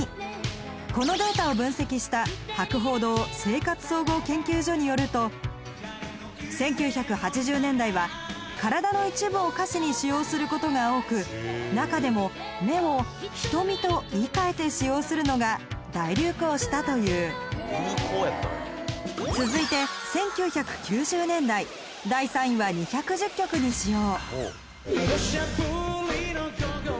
このデータを分析した１９８０年代は体の一部を歌詞に使用することが多く中でも「目」を「瞳」と言い換えて使用するのが大流行したという続いて１９９０年代第３位は２１０曲に使用